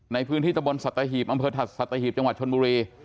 ในพื้นที่ตมนต์สัตธาหีบอำเภบสัตทาหีบจังหวัดชลบุรี